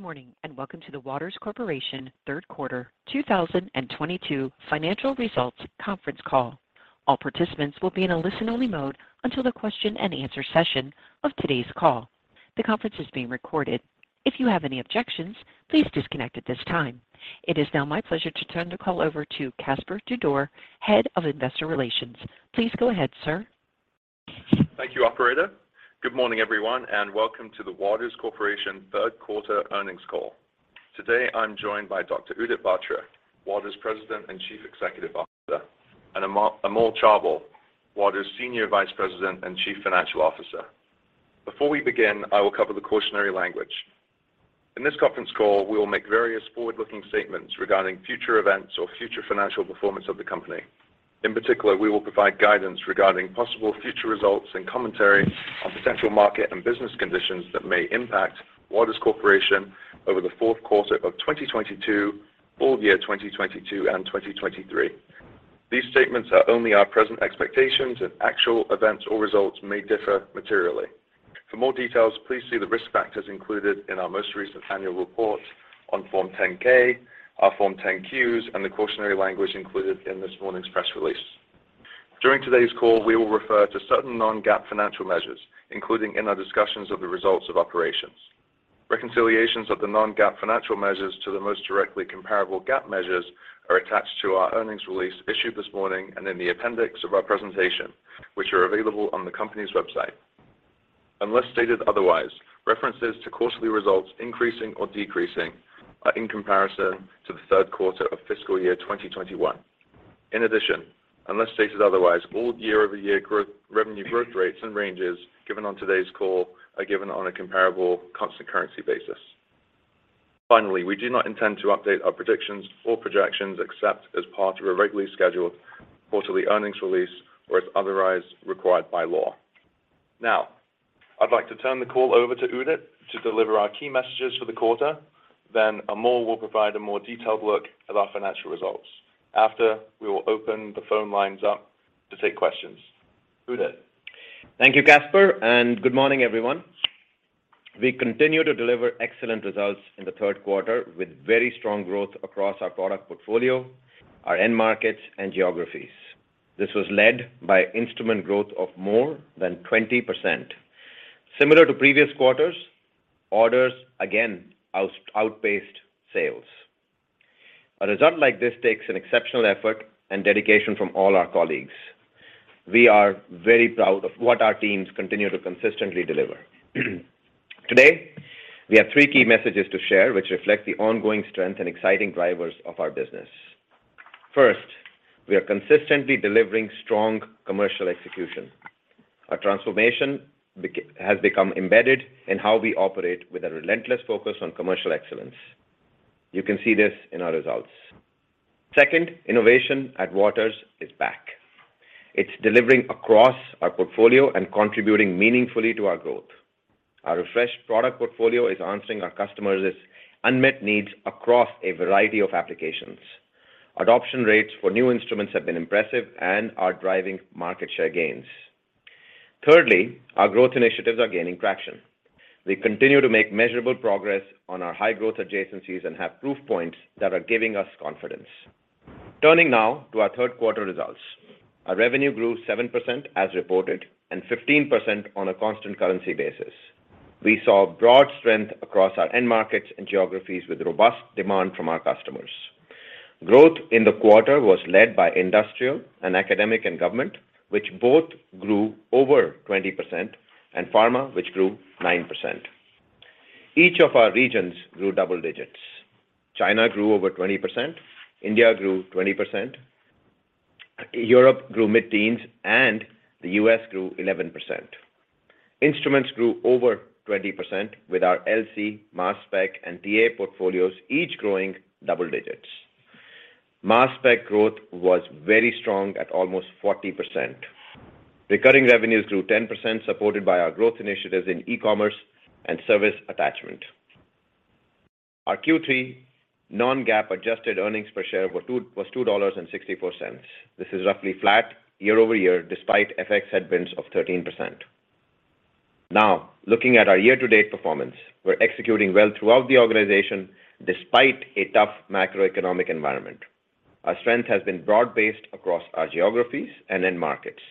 Good morning, and welcome to the Waters Corporation Third Quarter 2022 Financial Results Conference Call. All participants will be in a listen-only mode until the question and answer session of today's call. The conference is being recorded. If you have any objections, please disconnect at this time. It is now my pleasure to turn the call over to Caspar Tudor, Head of Investor Relations. Please go ahead, sir. Thank you, operator. Good morning, everyone, and welcome to the Waters Corporation third quarter earnings call. Today I'm joined by Dr. Udit Batra, Waters President and Chief Executive Officer, and Amol Chaubal, Waters Senior Vice President and Chief Financial Officer. Before we begin, I will cover the cautionary language. In this conference call, we will make various forward-looking statements regarding future events or future financial performance of the company. In particular, we will provide guidance regarding possible future results and commentary on potential market and business conditions that may impact Waters Corporation over the fourth quarter of 2022, full year 2022, and 2023. These statements are only our present expectations, and actual events or results may differ materially. For more details, please see the risk factors included in our most recent annual report on Form 10-K, our Form 10-Q's, and the cautionary language included in this morning's press release. During today's call, we will refer to certain non-GAAP financial measures, including in our discussions of the results of operations. Reconciliations of the non-GAAP financial measures to the most directly comparable GAAP measures are attached to our earnings release issued this morning and in the appendix of our presentation, which are available on the company's website. Unless stated otherwise, references to quarterly results increasing or decreasing are in comparison to the third quarter of fiscal year 2021. In addition, unless stated otherwise, all year-over-year growth, revenue growth rates and ranges given on today's call are given on a comparable constant currency basis. Finally, we do not intend to update our predictions or projections, except as part of a regularly scheduled quarterly earnings release or as otherwise required by law. Now, I'd like to turn the call over to Udit to deliver our key messages for the quarter, then Amol will provide a more detailed look at our financial results. After, we will open the phone lines up to take questions. Udit. Thank you, Caspar, and good morning, everyone. We continued to deliver excellent results in the third quarter with very strong growth across our product portfolio, our end markets, and geographies. This was led by instrument growth of more than 20%. Similar to previous quarters, orders again outpaced sales. A result like this takes an exceptional effort and dedication from all our colleagues. We are very proud of what our teams continue to consistently deliver. Today, we have three key messages to share, which reflect the ongoing strength and exciting drivers of our business. First, we are consistently delivering strong commercial execution. Our transformation has become embedded in how we operate with a relentless focus on commercial excellence. You can see this in our results. Second, innovation at Waters is back. It's delivering across our portfolio and contributing meaningfully to our growth. Our refreshed product portfolio is answering our customers' unmet needs across a variety of applications. Adoption rates for new instruments have been impressive and are driving market share gains. Thirdly, our growth initiatives are gaining traction. We continue to make measurable progress on our high-growth adjacencies and have proof points that are giving us confidence. Turning now to our third quarter results. Our revenue grew 7% as reported, and 15% on a constant currency basis. We saw broad strength across our end markets and geographies with robust demand from our customers. Growth in the quarter was led by industrial and academic and government, which both grew over 20%, and pharma, which grew 9%. Each of our regions grew double digits. China grew over 20%, India grew 20%, Europe grew mid-teens, and the U.S. Grew 11%. Instruments grew over 20% with our LC, mass spec, and DA portfolios each growing double digits. Mass spec growth was very strong at almost 40%. Recurring revenues grew 10%, supported by our growth initiatives in e-commerce and service attachment. Our Q3 non-GAAP adjusted earnings per share was $2.64. This is roughly flat year-over-year, despite FX headwinds of 13%. Now, looking at our year-to-date performance, we're executing well throughout the organization despite a tough macroeconomic environment. Our strength has been broad-based across our geographies and end markets,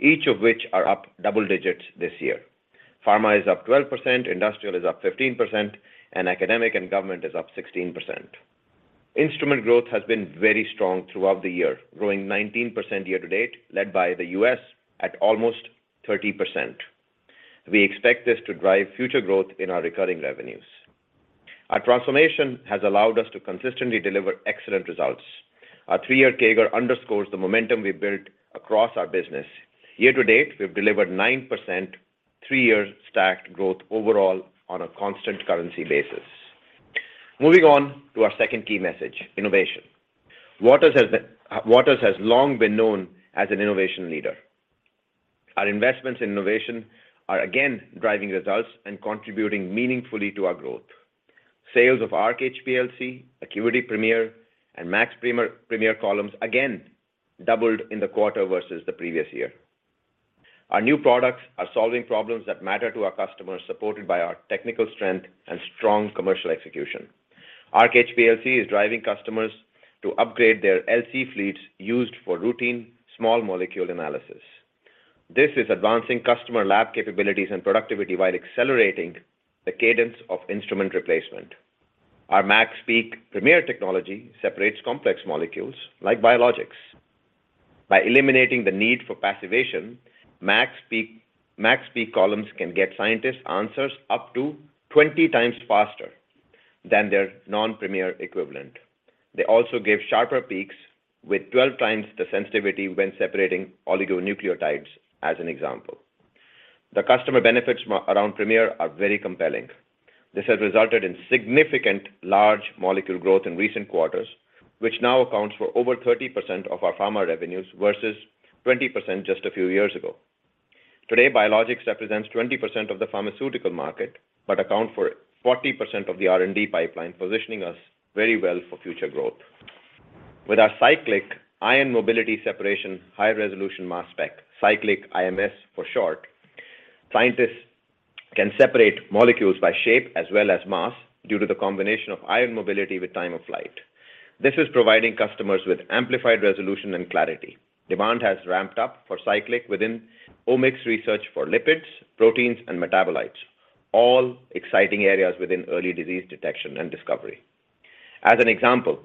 each of which are up double digits this year. Pharma is up 12%, industrial is up 15%, and academic and government is up 16%. Instrument growth has been very strong throughout the year, growing 19% year-to-date, led by the U.S. at almost 30%. We expect this to drive future growth in our recurring revenues. Our transformation has allowed us to consistently deliver excellent results. Our three-year CAGR underscores the momentum we've built across our business. Year to date, we've delivered 9% three-year stacked growth overall on a constant currency basis. Moving on to our second key message, innovation. Waters has long been known as an innovation leader. Our investments in innovation are again driving results and contributing meaningfully to our growth. Sales of Arc HPLC, ACQUITY Premier, and MaxPeak Premier Columns again doubled in the quarter versus the previous year. Our new products are solving problems that matter to our customers, supported by our technical strength and strong commercial execution. Arc HPLC is driving customers to upgrade their LC fleets used for routine small molecule analysis. This is advancing customer lab capabilities and productivity while accelerating the cadence of instrument replacement. Our MaxPeak Premier technology separates complex molecules like biologics. By eliminating the need for passivation, MaxPeak columns can get scientists answers up to 20 times faster than their non-premier equivalent. They also give sharper peaks with 12 times the sensitivity when separating oligonucleotides as an example. The customer benefits around Premier are very compelling. This has resulted in significant large molecule growth in recent quarters, which now accounts for over 30% of our pharma revenues versus 20% just a few years ago. Today, biologics represents 20% of the pharmaceutical market, but account for 40% of the R&D pipeline, positioning us very well for future growth. With our cyclic ion mobility separation high resolution mass spec, cyclic IMS for short, scientists can separate molecules by shape as well as mass due to the combination of ion mobility with time of flight. This is providing customers with amplified resolution and clarity. Demand has ramped up for cyclic within omics research for lipids, proteins, and metabolites, all exciting areas within early disease detection and discovery. As an example,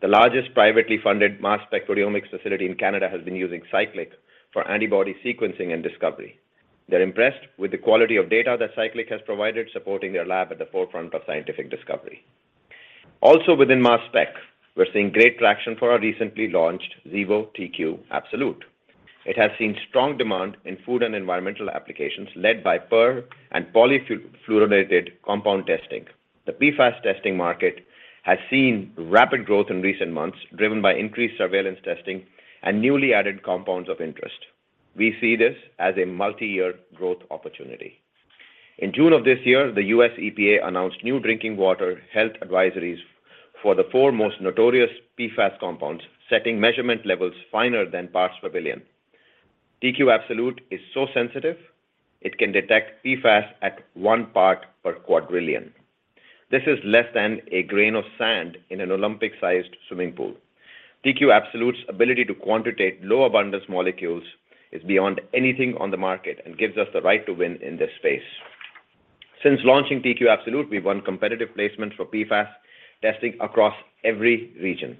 the largest privately funded mass spectrometry omics facility in Canada has been using cyclic for antibody sequencing and discovery. They're impressed with the quality of data that cyclic has provided, supporting their lab at the forefront of scientific discovery. Also within mass spec, we're seeing great traction for our recently launched Xevo TQ Absolute. It has seen strong demand in food and environmental applications led by per- and polyfluorinated compound testing. The PFAS testing market has seen rapid growth in recent months, driven by increased surveillance testing and newly added compounds of interest. We see this as a multi-year growth opportunity. In June of this year, the U.S. EPA announced new drinking water health advisories for the four most notorious PFAS compounds, setting measurement levels finer than parts per billion. TQ Absolute is so sensitive, it can detect PFAS at one part per quadrillion. This is less than a grain of sand in an Olympic-sized swimming pool. TQ Absolute's ability to quantitate low abundance molecules is beyond anything on the market and gives us the right to win in this space. Since launching TQ Absolute, we've won competitive placements for PFAS testing across every region.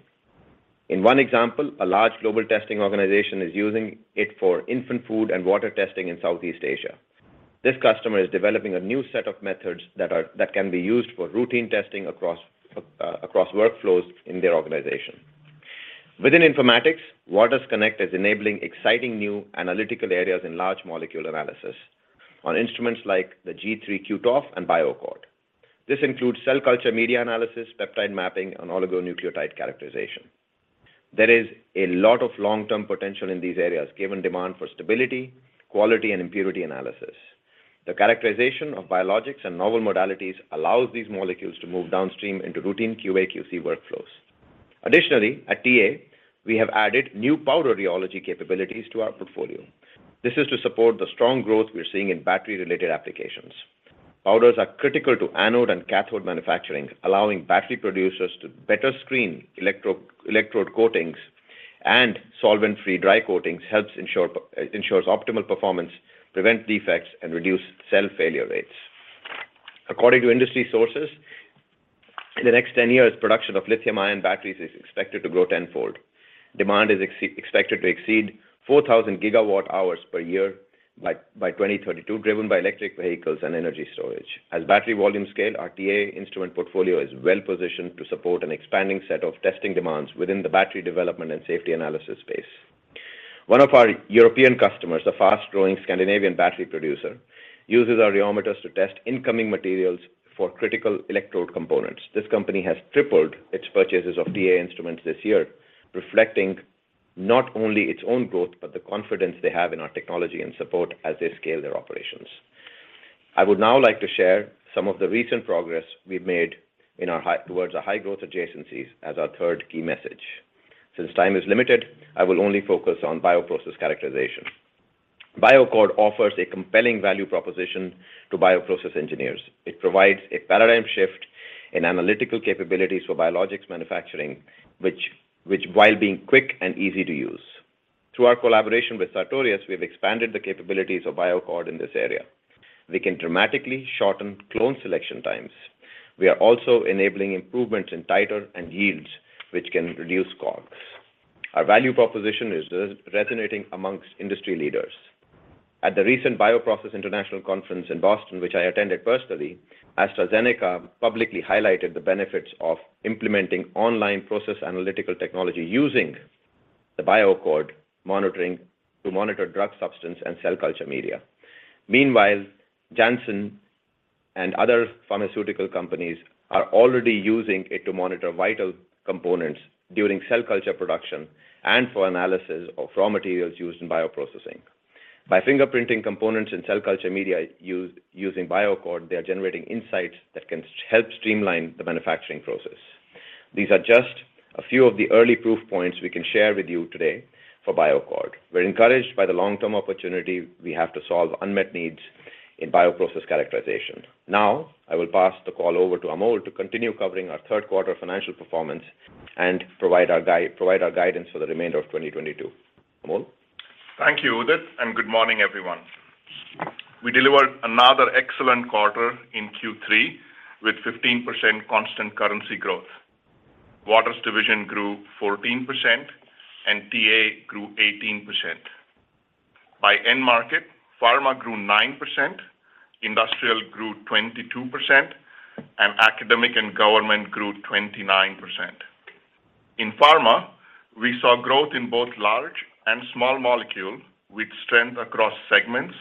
In one example, a large global testing organization is using it for infant food and water testing in Southeast Asia. This customer is developing a new set of methods that can be used for routine testing across workflows in their organization. Within informatics, waters_connect is enabling exciting new analytical areas in large molecule analysis on instruments like the G3 QToF and BioAccord. This includes cell culture media analysis, peptide mapping, and oligonucleotide characterization. There is a lot of long-term potential in these areas, given demand for stability, quality, and impurity analysis. The characterization of biologics and novel modalities allows these molecules to move downstream into routine QA/QC workflows. Additionally, at TA, we have added new powder rheology capabilities to our portfolio. This is to support the strong growth we're seeing in battery-related applications. Powders are critical to anode and cathode manufacturing, allowing battery producers to better screen electrode coatings and solvent-free dry coatings, ensures optimal performance, prevent defects, and reduce cell failure rates. According to industry sources, in the next 10 years, production of lithium-ion batteries is expected to grow tenfold. Demand is expected to exceed 4,000 gigawatt hours per year by 2032, driven by electric vehicles and energy storage. As battery volume scale, our TA instrument portfolio is well-positioned to support an expanding set of testing demands within the battery development and safety analysis space. One of our European customers, a fast-growing Scandinavian battery producer, uses our rheometers to test incoming materials for critical electrode components. This company has tripled its purchases of TA instruments this year, reflecting not only its own growth, but the confidence they have in our technology and support as they scale their operations. I would now like to share some of the recent progress we've made in our high growth adjacencies as our third key message. Since time is limited, I will only focus on bioprocess characterization. BioAccord offers a compelling value proposition to bioprocess engineers. It provides a paradigm shift in analytical capabilities for biologics manufacturing, which while being quick and easy to use. Through our collaboration with Sartorius, we have expanded the capabilities of BioAccord in this area. We can dramatically shorten clone selection times. We are also enabling improvements in titer and yields, which can reduce COGS. Our value proposition is resonating amongst industry leaders. At the recent Bioprocess International Conference in Boston, which I attended personally, AstraZeneca publicly highlighted the benefits of implementing online process analytical technology using the BioAccord monitoring to monitor drug substance and cell culture media. Meanwhile, Janssen and other pharmaceutical companies are already using it to monitor vital components during cell culture production and for analysis of raw materials used in bioprocessing. By fingerprinting components in cell culture media using BioAccord, they are generating insights that can help streamline the manufacturing process. These are just a few of the early proof points we can share with you today for BioAccord. We're encouraged by the long-term opportunity we have to solve unmet needs in bioprocess characterization. Now, I will pass the call over to Amol to continue covering our third quarter financial performance and provide our guidance for the remainder of 2022. Amol. Thank you, Udit, and good morning, everyone. We delivered another excellent quarter in Q3 with 15% constant currency growth. Waters division grew 14% and TA grew 18%. By end market, pharma grew 9%, industrial grew 22%, and academic and government grew 29%. In pharma, we saw growth in both large and small molecule, with strength across segments,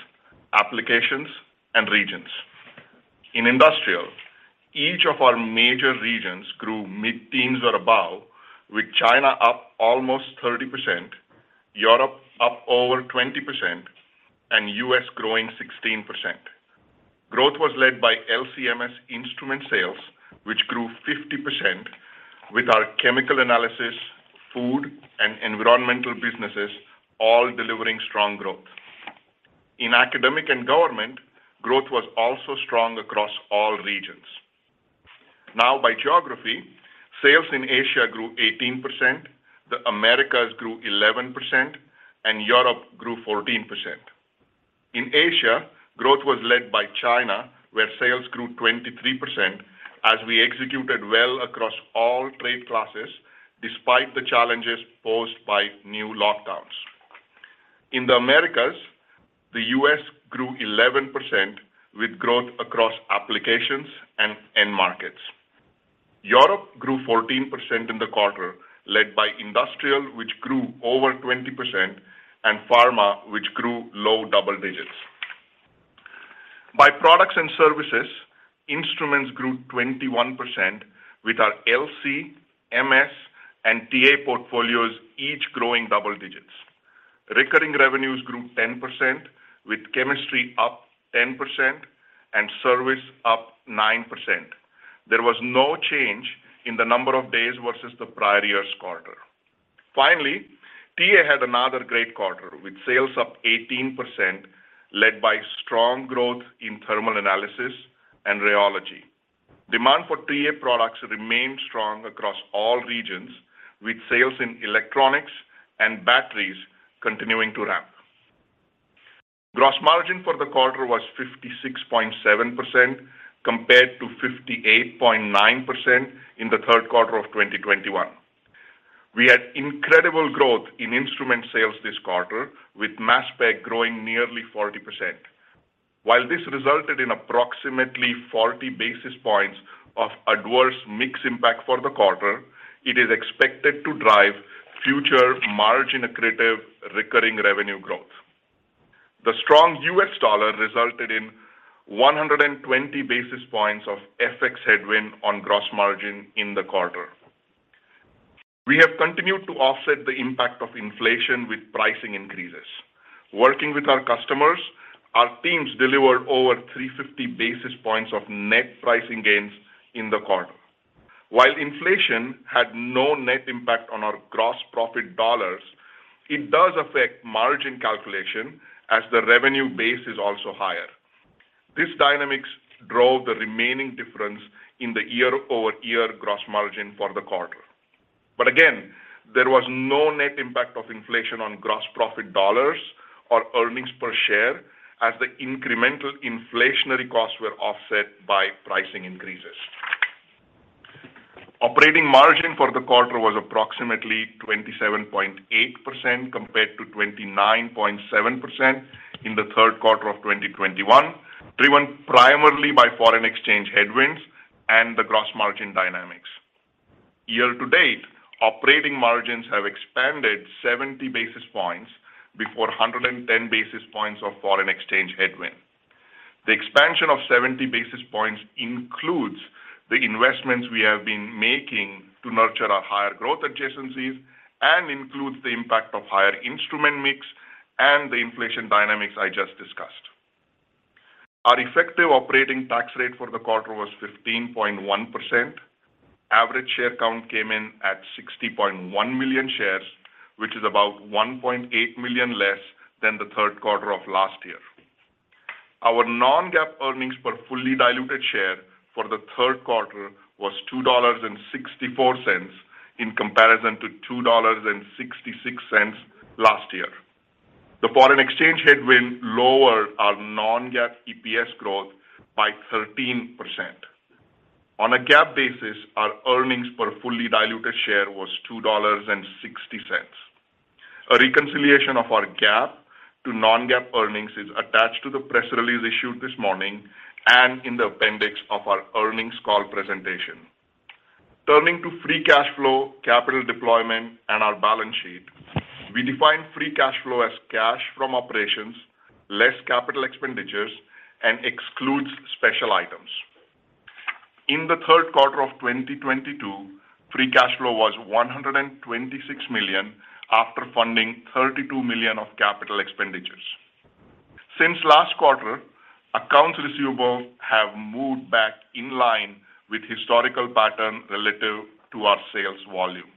applications, and regions. In industrial, each of our major regions grew mid-teens or above, with China up almost 30%, Europe up over 20%, and U.S. growing 16%. Growth was led by LC-MS instrument sales, which grew 50% with our chemical analysis, food, and environmental businesses all delivering strong growth. In academic and government, growth was also strong across all regions. Now by geography, sales in Asia grew 18%, the Americas grew 11%, and Europe grew 14%. In Asia, growth was led by China, where sales grew 23% as we executed well across all trade classes despite the challenges posed by new lockdowns. In the Americas, the U.S. grew 11% with growth across applications and end markets. Europe grew 14% in the quarter, led by industrial, which grew over 20%, and pharma, which grew low double digits. By products and services, instruments grew 21%, with our LC, MS, and TA portfolios each growing double digits. Recurring revenues grew 10%, with chemistry up 10% and service up 9%. There was no change in the number of days versus the prior year's quarter. Finally, TA had another great quarter, with sales up 18%, led by strong growth in thermal analysis and rheology. Demand for TA products remained strong across all regions, with sales in electronics and batteries continuing to ramp. Gross margin for the quarter was 56.7% compared to 58.9% in the third quarter of 2021. We had incredible growth in instrument sales this quarter, with mass spec growing nearly 40%. While this resulted in approximately 40 basis points of adverse mix impact for the quarter, it is expected to drive future margin-accretive recurring revenue growth. The strong U.S. dollar resulted in 120 basis points of FX headwind on gross margin in the quarter. We have continued to offset the impact of inflation with pricing increases. Working with our customers, our teams delivered over 350 basis points of net pricing gains in the quarter. While inflation had no net impact on our gross profit dollars, it does affect margin calculation as the revenue base is also higher. These dynamics drove the remaining difference in the year-over-year gross margin for the quarter. Again, there was no net impact of inflation on gross profit dollars or earnings per share as the incremental inflationary costs were offset by pricing increases. Operating margin for the quarter was approximately 27.8% compared to 29.7% in the third quarter of 2021, driven primarily by foreign exchange headwinds and the gross margin dynamics. Year to date, operating margins have expanded 70 basis points before 110 basis points of foreign exchange headwind. The expansion of 70 basis points includes the investments we have been making to nurture our higher growth adjacencies and includes the impact of higher instrument mix and the inflation dynamics I just discussed. Our effective operating tax rate for the quarter was 15.1%. Average share count came in at 60.1 million shares, which is about 1.8 million less than the third quarter of last year. Our non-GAAP earnings per fully diluted share for the third quarter was $2.64 in comparison to $2.66 last year. The foreign exchange headwind lowered our non-GAAP EPS growth by 13%. On a GAAP basis, our earnings per fully diluted share was $2.60. A reconciliation of our GAAP to non-GAAP earnings is attached to the press release issued this morning and in the appendix of our earnings call presentation. Turning to free cash flow, capital deployment, and our balance sheet. We define free cash flow as cash from operations, less capital expenditures, and excludes special items. In the third quarter of 2022, free cash flow was $126 million after funding $32 million of capital expenditures. Since last quarter, accounts receivable have moved back in line with historical pattern relative to our sales volume.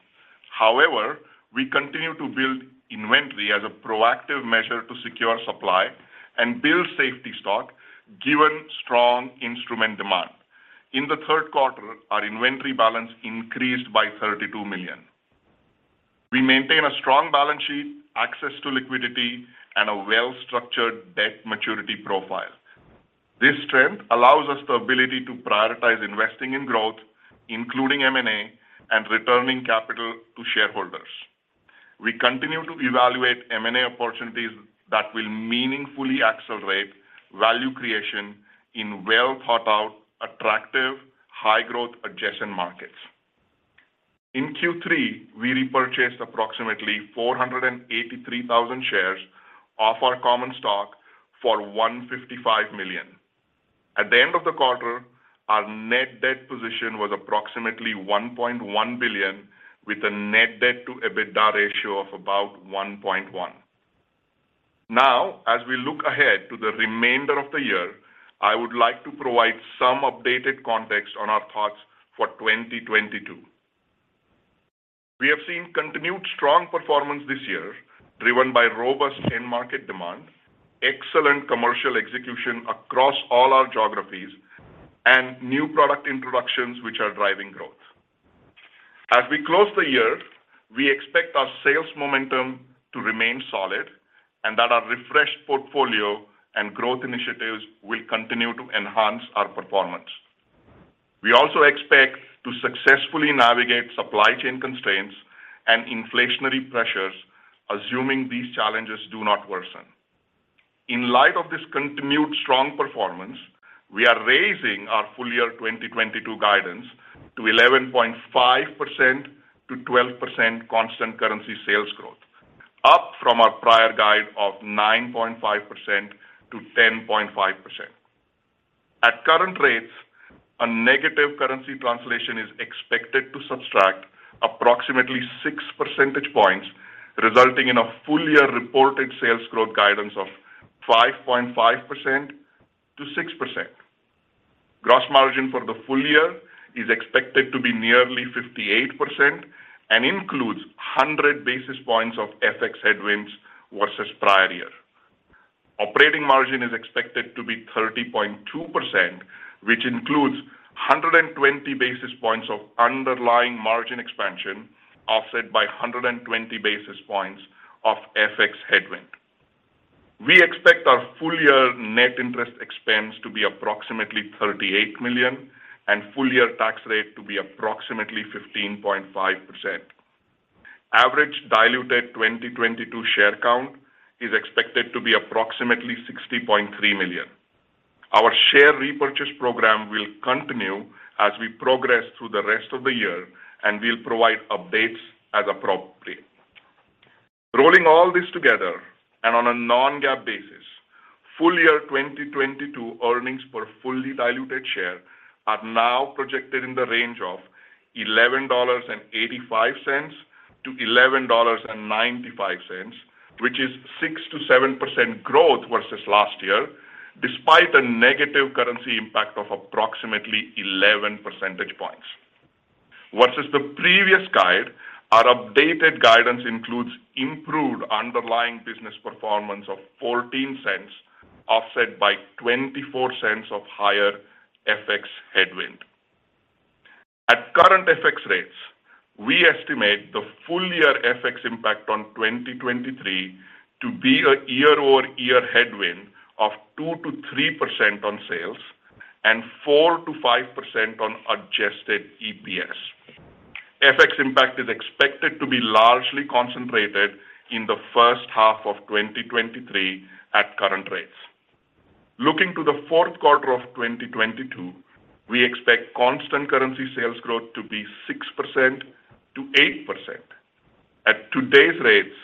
However, we continue to build inventory as a proactive measure to secure supply and build safety stock given strong instrument demand. In the third quarter, our inventory balance increased by $32 million. We maintain a strong balance sheet, access to liquidity, and a well-structured debt maturity profile. This trend allows us the ability to prioritize investing in growth, including M&A, and returning capital to shareholders. We continue to evaluate M&A opportunities that will meaningfully accelerate value creation in well-thought-out, attractive, high-growth adjacent markets. In Q3, we repurchased approximately 483,000 shares of our common stock for $155 million. At the end of the quarter, our net debt position was approximately $1.1 billion, with a net debt to EBITDA ratio of about 1.1. Now, as we look ahead to the remainder of the year, I would like to provide some updated context on our thoughts for 2022. We have seen continued strong performance this year, driven by robust end market demand, excellent commercial execution across all our geographies, and new product introductions which are driving growth. As we close the year, we expect our sales momentum to remain solid and that our refreshed portfolio and growth initiatives will continue to enhance our performance. We also expect to successfully navigate supply chain constraints and inflationary pressures, assuming these challenges do not worsen. In light of this continued strong performance, we are raising our full-year 2022 guidance to 11.5%-12% constant currency sales growth, up from our prior guide of 9.5%-10.5%. At current rates, a negative currency translation is expected to subtract approximately 6 percentage points, resulting in a full-year reported sales growth guidance of 5.5%-6%. Gross margin for the full year is expected to be nearly 58% and includes 100 basis points of FX headwinds versus prior year. Operating margin is expected to be 30.2%, which includes 120 basis points of underlying margin expansion, offset by 120 basis points of FX headwind. We expect our full year net interest expense to be approximately $38 million and full year tax rate to be approximately 15.5%. Average diluted 2022 share count is expected to be approximately 60.3 million. Our share repurchase program will continue as we progress through the rest of the year, and we'll provide updates as appropriate. Rolling all this together and on a non-GAAP basis, full year 2022 earnings per fully diluted share are now projected in the range of $11.85-$11.95, which is 6%-7% growth versus last year, despite a negative currency impact of approximately 11 percentage points. Versus the previous guide, our updated guidance includes improved underlying business performance of $0.14, offset by $0.24 of higher FX headwind. At current FX rates, we estimate the full year FX impact on 2023 to be a year-over-year headwind of 2%-3% on sales and 4%-5% on adjusted EPS. FX impact is expected to be largely concentrated in the first half of 2023 at current rates. Looking to the fourth quarter of 2022, we expect constant currency sales growth to be 6%-8%. At today's rates,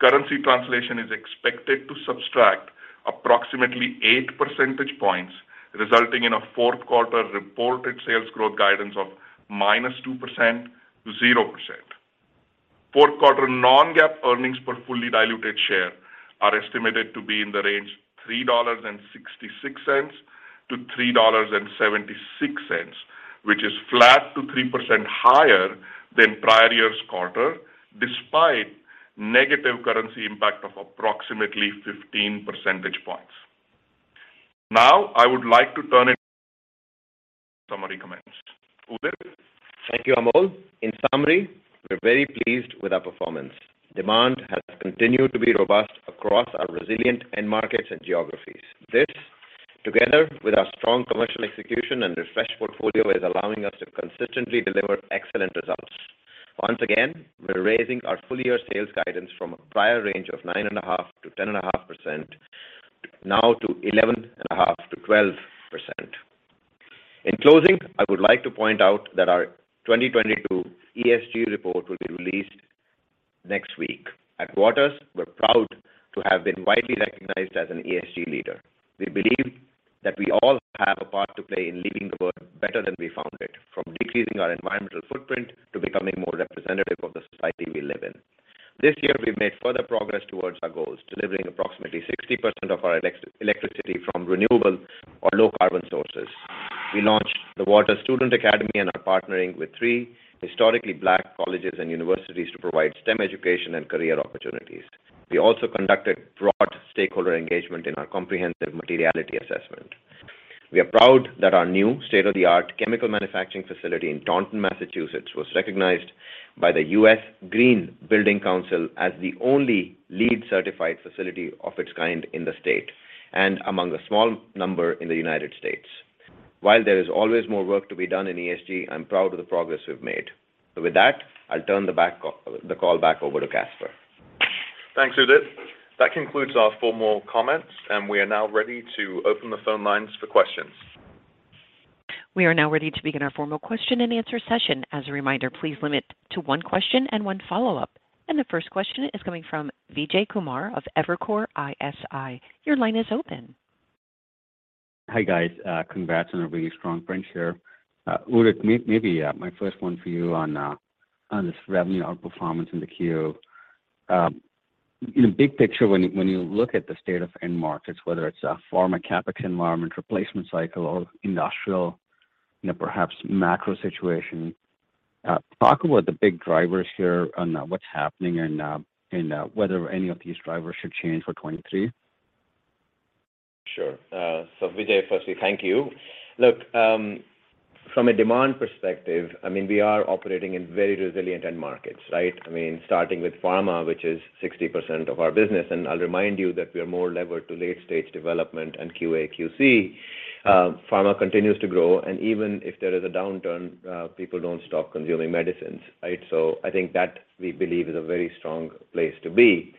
currency translation is expected to subtract approximately 8 percentage points, resulting in a fourth quarter reported sales growth guidance of -2% to 0%. Fourth quarter non-GAAP earnings per fully diluted share are estimated to be in the range $3.66-$3.76, which is flat to 3% higher than prior year's quarter, despite negative currency impact of approximately 15 percentage points. Now, I would like to turn it, somebody comments. Udit? Thank you, Amol. In summary, we're very pleased with our performance. Demand has continued to be robust across our resilient end markets and geographies. This, together with our strong commercial execution and refreshed portfolio, is allowing us to consistently deliver excellent results. Once again, we're raising our full-year sales guidance from a prior range of 9.5%-10.5% now to 11.5%-12%. In closing, I would like to point out that our 2022 ESG report will be released next week. At Waters, we're proud to have been widely recognized as an ESG leader. We believe. That we all have a part to play in leaving the world better than we found it, from decreasing our environmental footprint to becoming more representative of the society we live in. This year, we've made further progress towards our goals, delivering approximately 60% of our electricity from renewable or low carbon sources. We launched the Waters Student Academy and are partnering with three historically Black colleges and universities to provide STEM education and career opportunities. We also conducted broad stakeholder engagement in our comprehensive materiality assessment. We are proud that our new state-of-the-art chemical manufacturing facility in Taunton, Massachusetts, was recognized by the U.S. Green Building Council as the only LEED certified facility of its kind in the state and among a small number in the United States. While there is always more work to be done in ESG, I'm proud of the progress we've made. With that, I'll turn the call back over to Caspar. Thanks, Udit. That concludes our formal comments, and we are now ready to open the phone lines for questions. We are now ready to begin our formal question and answer session. As a reminder, please limit to one question and one follow-up. The first question is coming from Vijay Kumar of Evercore ISI. Your line is open. Hi, guys. Congrats on a really strong print here. Udit, my first one for you on this revenue outperformance in the Q. In a big picture, when you look at the state of end markets, whether it's a pharma CapEx environment replacement cycle or industrial, you know, perhaps macro situation, talk about the big drivers here on what's happening and whether any of these drivers should change for 2023. Sure. So Vijay, firstly, thank you. Look, from a demand perspective, I mean, we are operating in very resilient end markets, right? I mean, starting with pharma, which is 60% of our business, and I'll remind you that we are more levered to late-stage development and QA/QC. Pharma continues to grow, and even if there is a downturn, people don't stop consuming medicines, right? So I think that we believe is a very strong place to be.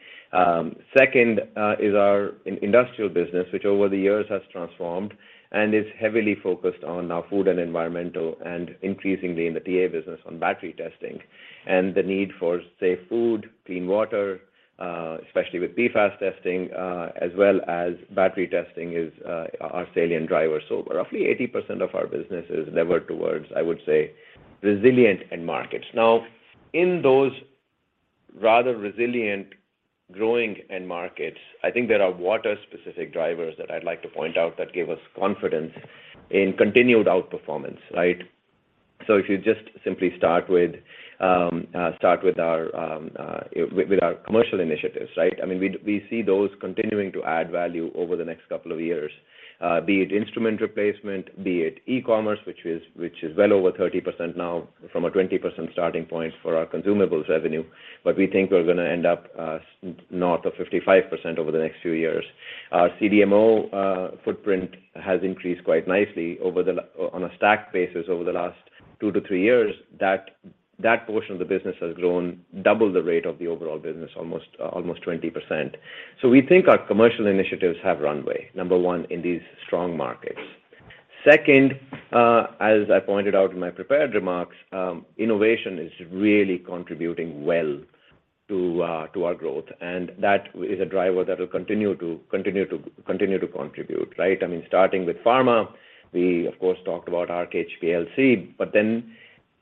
Second, is our industrial business, which over the years has transformed and is heavily focused on, food and environmental and increasingly in the TA business on battery testing. The need for safe food, clean water, especially with PFAS testing, as well as battery testing is our salient driver. Roughly 80% of our business is levered towards, I would say, resilient end markets. Now, in those rather resilient growing end markets, I think there are Waters-specific drivers that I'd like to point out that give us confidence in continued outperformance, right? If you just simply start with our commercial initiatives, right? I mean, we see those continuing to add value over the next couple of years, be it instrument replacement, be it e-commerce, which is well over 30% now from a 20% starting point for our consumables revenue. We think we're gonna end up north of 55% over the next few years. Our CDMO footprint has increased quite nicely over on a stack basis over the last two to three years. That portion of the business has grown double the rate of the overall business, almost 20%. We think our commercial initiatives have runway, number one, in these strong markets. Second, as I pointed out in my prepared remarks, innovation is really contributing well to our growth, and that is a driver that will continue to contribute, right? I mean, starting with pharma, we of course talked about Arc HPLC, but then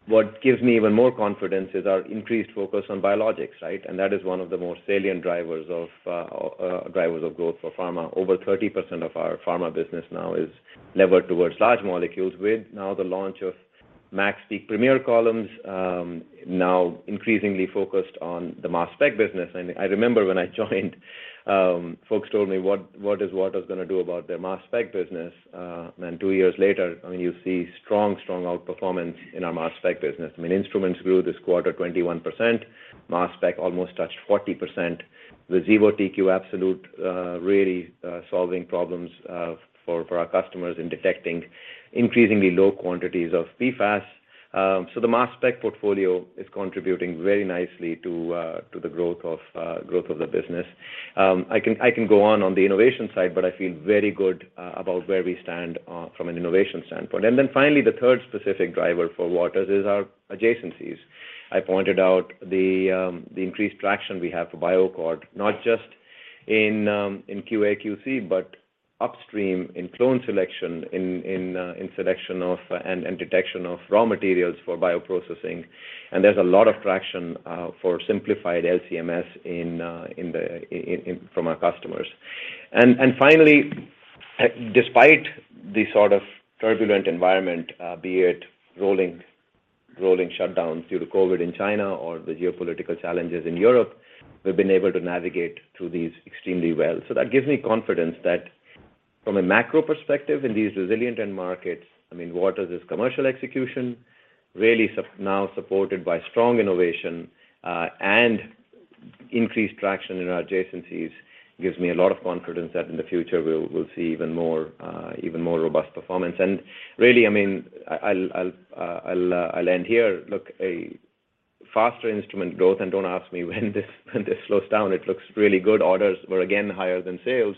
what gives me even more confidence is our increased focus on biologics, right? That is one of the more salient drivers of growth for pharma. Over 30% of our pharma business now is levered towards large molecules with now the launch of MaxPeak Premier Columns, now increasingly focused on the mass spec business. I remember when I joined, folks told me what is Waters gonna do about their mass spec business. Two years later, I mean, you see strong outperformance in our mass spec business. I mean, instruments grew this quarter 21%. Mass spec almost touched 40%. The Xevo TQ Absolute really solving problems for our customers in detecting increasingly low quantities of PFAS. So the mass spec portfolio is contributing very nicely to the growth of the business. I can go on on the innovation side, but I feel very good about where we stand from an innovation standpoint. Then finally, the third specific driver for Waters is our adjacencies. I pointed out the increased traction we have for BioAccord, not just in QA/QC, but upstream in clone selection, in selection of and detection of raw materials for bioprocessing. There's a lot of traction for simplified LC-MS from our customers. Finally, despite the sort of turbulent environment, be it rolling shutdowns due to COVID in China or the geopolitical challenges in Europe, we've been able to navigate through these extremely well. That gives me confidence that from a macro perspective in these resilient end markets, I mean, Waters' commercial execution really now supported by strong innovation, and increased traction in our adjacencies, gives me a lot of confidence that in the future we'll see even more robust performance. Really, I mean, I'll end here. Look, a faster instrument growth, and don't ask me when this slows down. It looks really good. Orders were again higher than sales.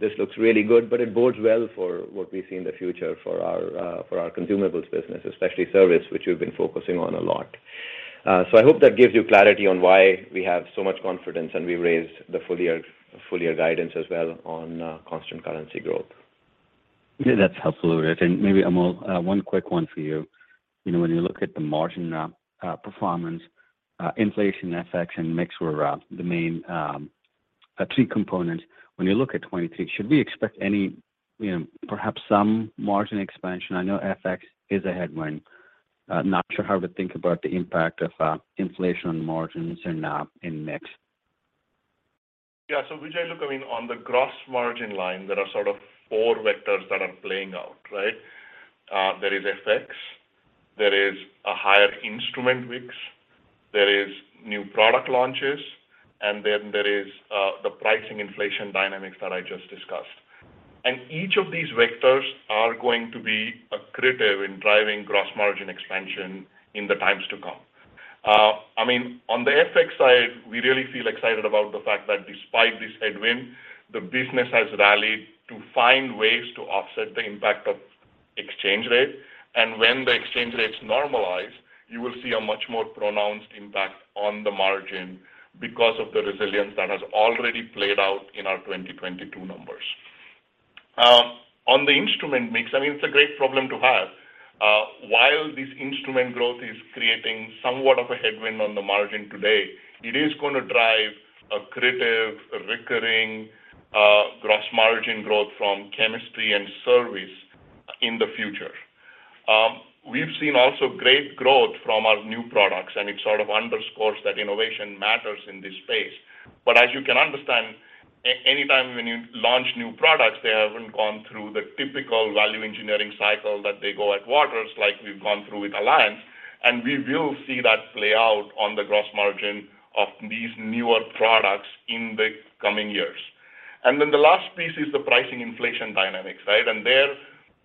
This looks really good, but it bodes well for what we see in the future for our consumables business, especially Beverage, which we've been focusing on a lot. I hope that gives you clarity on why we have so much confidence and we raised the full year guidance as well on constant currency growth. Okay, that's helpful. Maybe, Amol, one quick one for you. You know, when you look at the margin performance, inflation FX and mix were the main three components. When you look at 2023, should we expect any, you know, perhaps some margin expansion? I know FX is a headwind. Not sure how to think about the impact of inflation on margins and in mix. Vijay, look, I mean, on the gross margin line, there are sort of four vectors that are playing out, right? There is FX, there is a higher instrument mix, there is new product launches, and then there is the pricing inflation dynamics that I just discussed. Each of these vectors are going to be accretive in driving gross margin expansion in the times to come. I mean, on the FX side, we really feel excited about the fact that despite this headwind, the business has rallied to find ways to offset the impact of exchange rate. When the exchange rates normalize, you will see a much more pronounced impact on the margin because of the resilience that has already played out in our 2022 numbers. On the instrument mix, I mean, it's a great problem to have. While this instrument growth is creating somewhat of a headwind on the margin today, it is going to drive accretive, recurring, gross margin growth from chemistry and service in the future. We've seen also great growth from our new products, and it sort of underscores that innovation matters in this space. As you can understand, anytime when you launch new products, they haven't gone through the typical value engineering cycle that they go at Waters like we've gone through with Alliance, and we will see that play out on the gross margin of these newer products in the coming years. Then the last piece is the pricing inflation dynamics, right? There,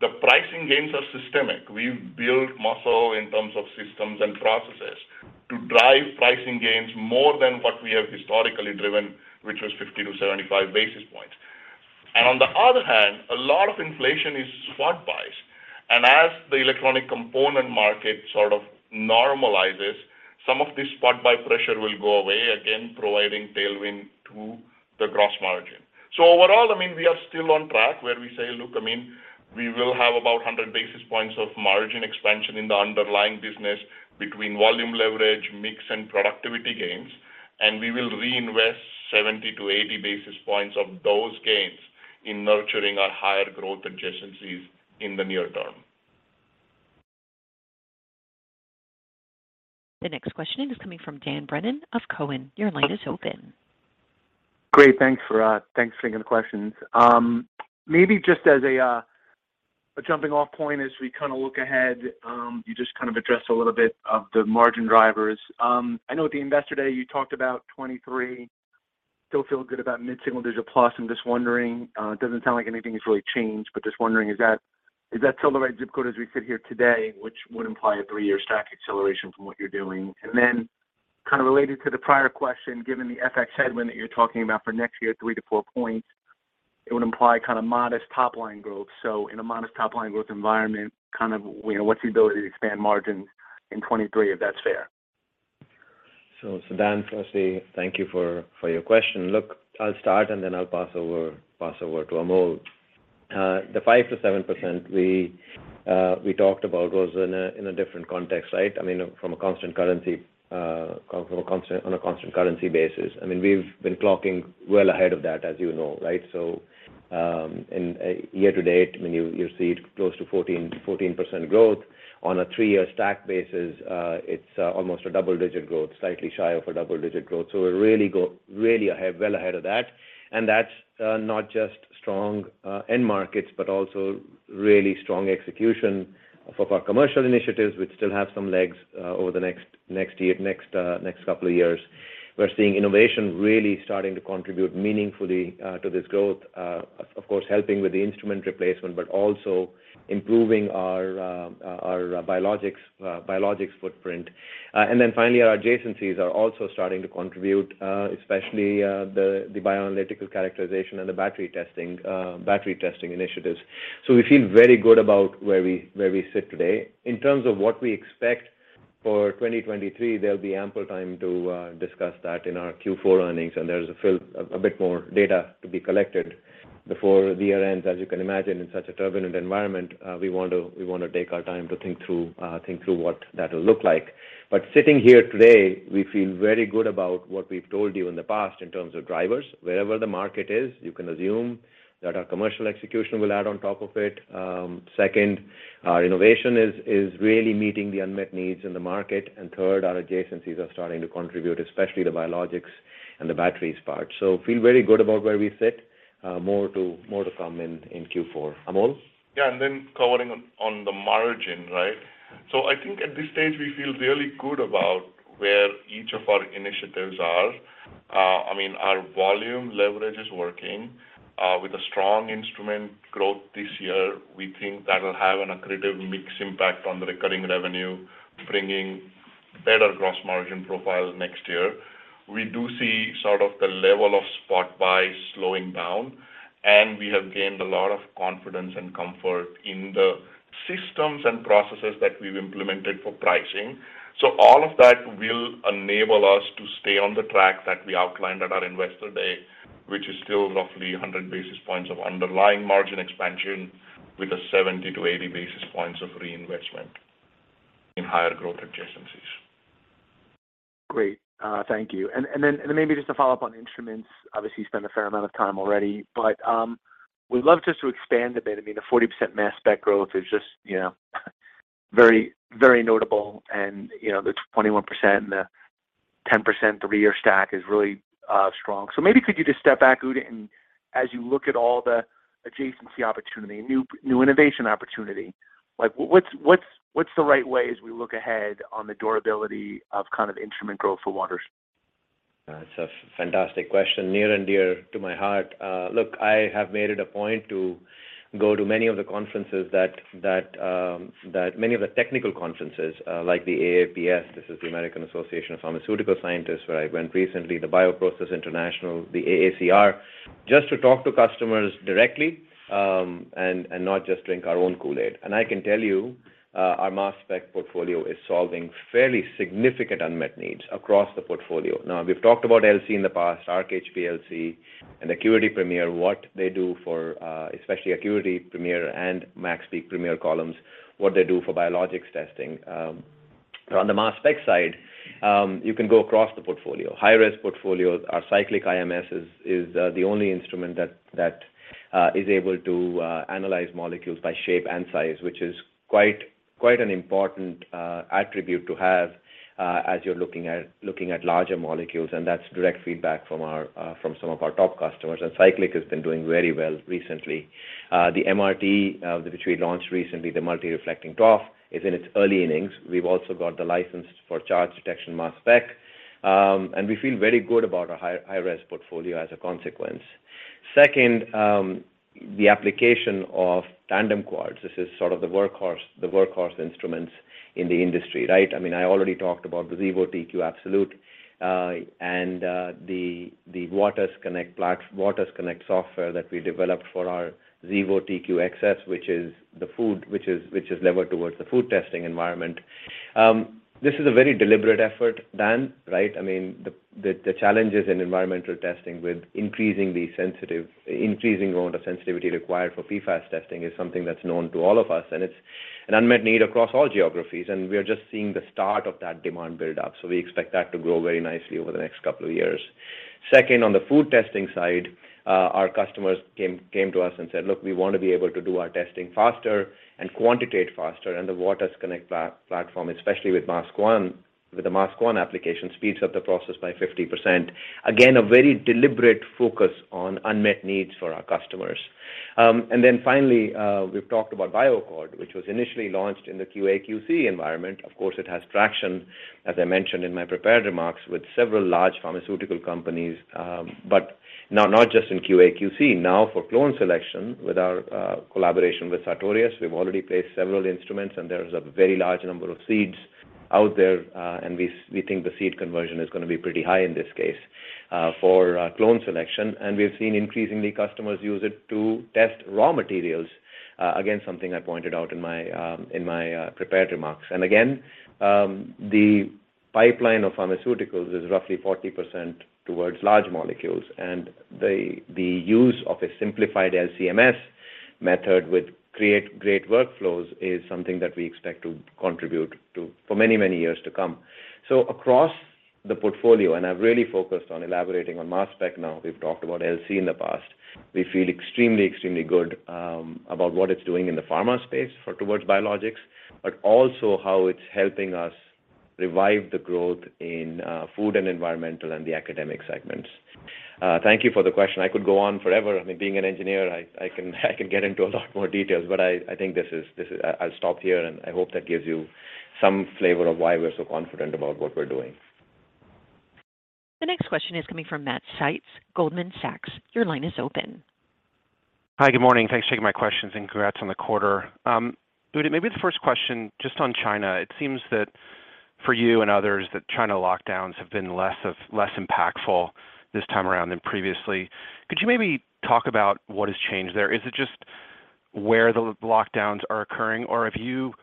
the pricing gains are systemic. We build muscle in terms of systems and processes to drive pricing gains more than what we have historically driven, which was 50-75 basis points. On the other hand, a lot of inflation is spot buys. As the electronic component market sort of normalizes, some of this spot buy pressure will go away, again, providing tailwind to the gross margin. Overall, I mean, we are still on track where we say, look, I mean, we will have about 100 basis points of margin expansion in the underlying business between volume leverage, mix, and productivity gains, and we will reinvest 70-80 basis points of those gains in nurturing our higher growth adjacencies in the near term. The next question is coming from Dan Brennan of Cowen. Your line is open. Great. Thanks for taking the questions. Maybe just as a jumping off point as we kind of look ahead, you just kind of addressed a little bit of the margin drivers. I know at the Investor Day, you talked about 2023. Still feel good about mid-single digit plus. I'm just wondering, it doesn't sound like anything has really changed, but just wondering, is that still the right ZIP Code as we sit here today, which would imply a three-year stack acceleration from what you're doing? And then kind of related to the prior question, given the FX headwind that you're talking about for next year, 3-4 points, it would imply kind of modest top line growth. In a modest top line growth environment, kind of, you know, what's the ability to expand margin in 2023, if that's fair? Dan, firstly, thank you for your question. Look, I'll start, and then I'll pass over to Amol. The 5%-7% we talked about was in a different context, right? I mean, from a constant currency on a constant currency basis. I mean, we've been clocking well ahead of that, as you know, right? In year to date, I mean, you see close to 14% growth. On a three-year stack basis, it's almost a double-digit growth, slightly shy of a double-digit growth. We're really ahead, well ahead of that. That's not just strong end markets, but also really strong execution of our commercial initiatives, which still have some legs over the next couple of years. We're seeing innovation really starting to contribute meaningfully to this growth, of course, helping with the instrument replacement, but also improving our biologics footprint. Then finally, our adjacencies are also starting to contribute, especially the bioanalytical characterization and the battery testing initiatives. We feel very good about where we sit today. In terms of what we expect for 2023, there'll be ample time to discuss that in our Q4 earnings, and there's a bit more data to be collected before the year ends. As you can imagine, in such a turbulent environment, we wanna take our time to think through what that will look like. Sitting here today, we feel very good about what we've told you in the past in terms of drivers. Wherever the market is, you can assume that our commercial execution will add on top of it. Second, our innovation is really meeting the unmet needs in the market. Third, our adjacencies are starting to contribute, especially the biologics and the batteries part. Feel very good about where we sit. More to come in Q4. Amol? Yeah, commenting on the margin, right? I think at this stage, we feel really good about where each of our initiatives are. I mean, our volume leverage is working. With a strong instrument growth this year, we think that will have an accretive mix impact on the recurring revenue, bringing better gross margin profile next year. We do see sort of the level of spot buys slowing down. We have gained a lot of confidence and comfort in the systems and processes that we've implemented for pricing. All of that will enable us to stay on the track that we outlined at our Investor Day, which is still roughly 100 basis points of underlying margin expansion with a 70-80 basis points of reinvestment in higher growth adjacencies. Great. Thank you. Then maybe just to follow up on instruments, obviously, you spent a fair amount of time already, but we'd love just to expand a bit. I mean, the 40% mass spec growth is just, you know, very, very notable. You know, the 21% and the 10% three-year stack is really strong. Maybe could you just step back, Udit, and as you look at all the adjacency opportunity, new innovation opportunity, like what's the right way as we look ahead on the durability of kind of instrument growth for Waters? That's a fantastic question. Near and dear to my heart. Look, I have made it a point to go to many of the technical conferences, like the AAPS, this is the American Association of Pharmaceutical Scientists, where I went recently, the BioProcess International, the AACR, just to talk to customers directly, and not just drink our own Kool-Aid. I can tell you, our mass spec portfolio is solving fairly significant unmet needs across the portfolio. Now, we've talked about LC in the past, Arc HPLC and ACQUITY Premier, what they do for, especially ACQUITY Premier and MaxPeak Premier columns, what they do for biologics testing. On the mass spec side, you can go across the portfolio. High-res portfolios. Our Cyclic IMS is the only instrument that is able to analyze molecules by shape and size, which is quite an important attribute to have as you're looking at larger molecules, and that's direct feedback from some of our top customers. Cyclic has been doing very well recently. The MRT, which we launched recently, the multi-reflecting TOF, is in its early innings. We've also got the license for charge detection mass spec, and we feel very good about our high-res portfolio as a consequence. Second, the application of tandem quads. This is sort of the workhorse instruments in the industry, right? I mean, I already talked about the Xevo TQ Absolute, and the waters_connect software that we developed for our Xevo TQ-XS, which is levered towards the food testing environment. This is a very deliberate effort, Dan, right? I mean, the challenges in environmental testing with increasing amount of sensitivity required for PFAS testing is something that's known to all of us, and it's an unmet need across all geographies, and we are just seeing the start of that demand build-up. We expect that to grow very nicely over the next couple of years. Second, on the food testing side, our customers came to us and said, "Look, we want to be able to do our testing faster and quantitate faster." The waters_connect platform, especially with MassOne, with the MassOne application, speeds up the process by 50%. Again, a very deliberate focus on unmet needs for our customers. We've talked about BioAccord, which was initially launched in the QA/QC environment. Of course, it has traction, as I mentioned in my prepared remarks, with several large pharmaceutical companies, but not just in QA/QC. Now for clone selection, with our collaboration with Sartorius, we've already placed several instruments, and there's a very large number of seeds out there, and we think the seed conversion is gonna be pretty high in this case, for clone selection. We've seen increasingly customers use it to test raw materials, again, something I pointed out in my prepared remarks. Again, the pipeline of pharmaceuticals is roughly 40% towards large molecules. The use of a simplified LC-MS method to create great workflows is something that we expect to contribute to for many years to come. Across the portfolio, I've really focused on elaborating on mass spec now. We've talked about LC in the past. We feel extremely good about what it's doing in the pharma space towards biologics, but also how it's helping us revive the growth in food and environmental and the academic segments. Thank you for the question. I could go on forever. I mean, being an engineer, I can get into a lot more details, but I think this is. I'll stop here, and I hope that gives you some flavor of why we're so confident about what we're doing. The next question is coming from Matt Sykes, Goldman Sachs. Your line is open. Hi. Good morning. Thanks for taking my questions, and congrats on the quarter. Udit, maybe the first question just on China. It seems that for you and others, that China lockdowns have been less impactful this time around than previously. Could you maybe talk about what has changed there? Is it just where the lockdowns are occurring, or have you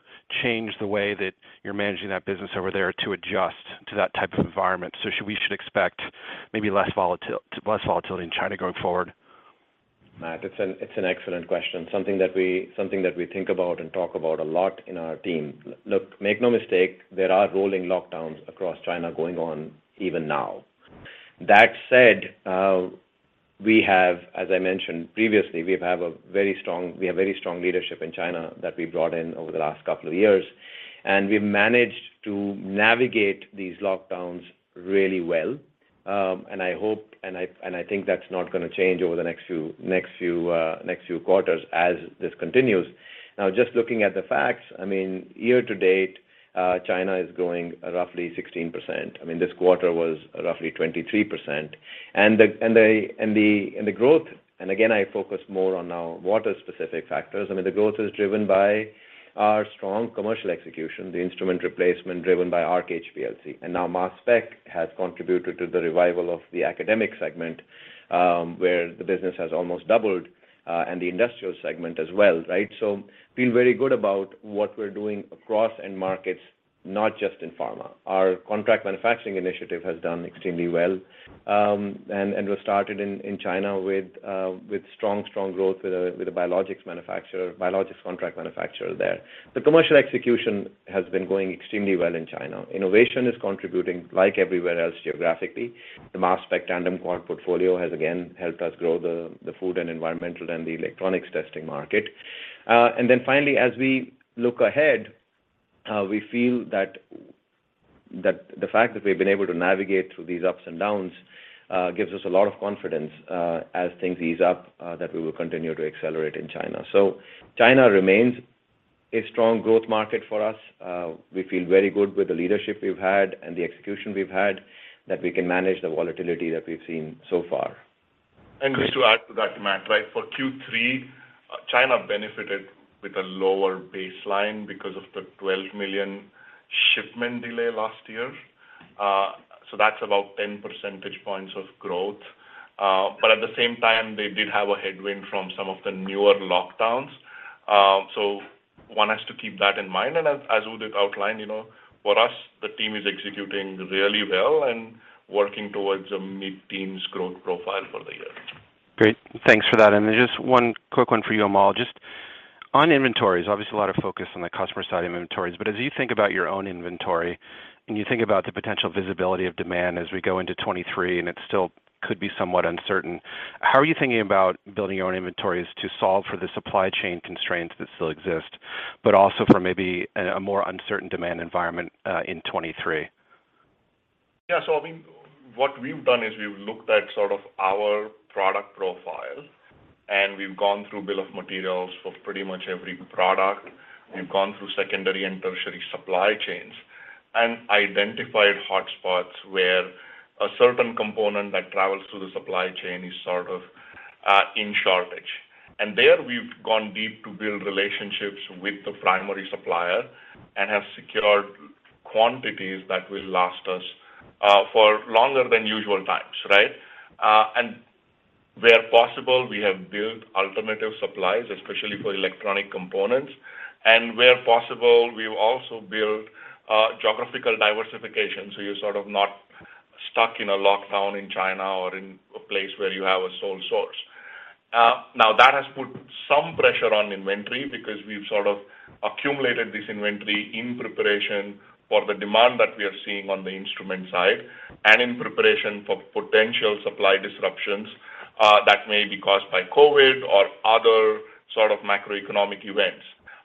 changed the way that you're managing that business over there to adjust to that type of environment? We should expect maybe less volatility in China going forward? Matt, it's an excellent question, something that we think about and talk about a lot in our team. Look, make no mistake, there are rolling lockdowns across China going on even now. That said, we have, as I mentioned previously, very strong leadership in China that we've brought in over the last couple of years, and we've managed to navigate these lockdowns really well. I hope I think that's not gonna change over the next few quarters as this continues. Now, just looking at the facts, I mean, year to date, China is growing roughly 16%. I mean, this quarter was roughly 23%. The growth. Again, I focus more on our Waters-specific factors. I mean, the growth is driven by our strong commercial execution, the instrument replacement driven by Arc HPLC. Now MassSpec has contributed to the revival of the academic segment, where the business has almost doubled, and the industrial segment as well, right? Feel very good about what we're doing across end markets, not just in pharma. Our contract manufacturing initiative has done extremely well, and was started in China with strong growth with a biologics manufacturer, biologics contract manufacturer there. The commercial execution has been going extremely well in China. Innovation is contributing like everywhere else geographically. The MassSpec tandem quad portfolio has again helped us grow the food and environmental and the electronics testing market. Finally, as we look ahead, we feel that the fact that we've been able to navigate through these ups and downs gives us a lot of confidence as things ease up that we will continue to accelerate in China. China remains a strong growth market for us. We feel very good with the leadership we've had and the execution we've had that we can manage the volatility that we've seen so far. Just to add to that, Matt, right? For Q3, China benefited with a lower baseline because of the $12 million shipment delay last year. That's about 10 percentage points of growth. At the same time, they did have a headwind from some of the newer lockdowns. One has to keep that in mind. As Udit outlined, you know, for us, the team is executing really well and working towards a mid-teens growth profile for the year. Great. Thanks for that. Just one quick one for you, Amol. Just on inventories, obviously a lot of focus on the customer side inventories, but as you think about your own inventory and you think about the potential visibility of demand as we go into 2023 and it still could be somewhat uncertain, how are you thinking about building your own inventories to solve for the supply chain constraints that still exist, but also for maybe a more uncertain demand environment in 2023? Yeah. I mean, what we've done is we've looked at sort of our product profile, and we've gone through bill of materials for pretty much every product. We've gone through secondary and tertiary supply chains and identified hotspots where a certain component that travels through the supply chain is sort of in shortage. There, we've gone deep to build relationships with the primary supplier and have secured quantities that will last us for longer than usual times, right? Where possible, we have built alternative supplies, especially for electronic components. And where possible, we've also built geographical diversification, so you're sort of not stuck in a lockdown in China or in a place where you have a sole source. Now, that has put some pressure on inventory because we've sort of accumulated this inventory in preparation for the demand that we are seeing on the instrument side and in preparation for potential supply disruptions that may be caused by COVID or other sort of macroeconomic events.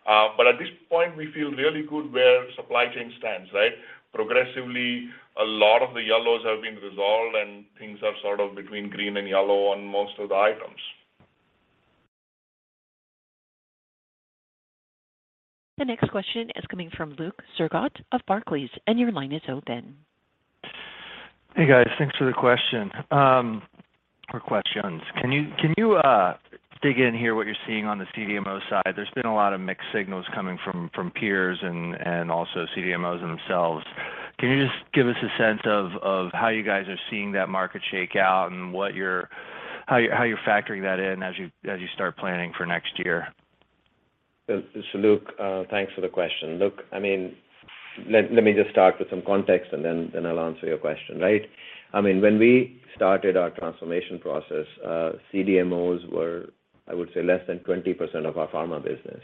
At this point, we feel really good where supply chain stands, right? Progressively, a lot of the yellows have been resolved, and things are sort of between green and yellow on most of the items. The next question is coming from Luke Sergott of Barclays, and your line is open. Hey, guys. Thanks for the question or questions. Can you dig in here what you're seeing on the CDMO side? There's been a lot of mixed signals coming from peers and also CDMOs themselves. Can you just give us a sense of how you guys are seeing that market shake out and how you're factoring that in as you start planning for next year? Luke, thanks for the question. Look, I mean, let me just start with some context, and then I'll answer your question, right? I mean, when we started our transformation process, CDMOs were, I would say, less than 20% of our pharma business.